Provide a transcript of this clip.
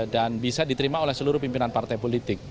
dan bisa diterima oleh seluruh pimpinan partai politik